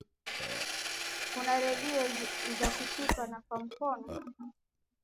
kuna redio za kushikwa kwa mikono